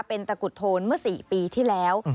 เป็นตะกุดโทนเมื่อ๔ปีที่แล้ว